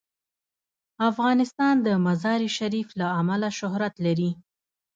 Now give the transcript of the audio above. افغانستان د مزارشریف له امله شهرت لري.